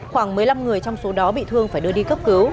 khoảng một mươi năm người trong số đó bị thương phải đưa đi cấp cứu